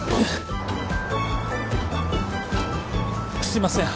すいません